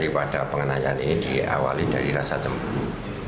pada pengenayaan ini diawali dari rasa cemburu